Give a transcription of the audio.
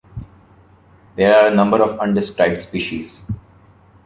There are a number of undescribed species.